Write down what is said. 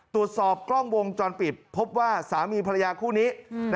ตรวจสอบกล้องวงจรปิดพบว่าสามีภรรยาคู่นี้